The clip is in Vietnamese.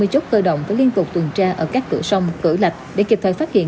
hai mươi chốt cơ động có liên tục tuần tra ở các cửa sông cửa lạch để kịp thời phát hiện